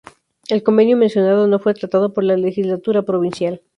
El convenio mencionado no fue tratado por la Legislatura Provincial.